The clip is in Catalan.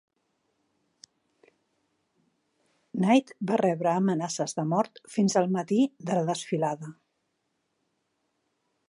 Kight va rebre amenaces de mort fins al matí de la desfilada.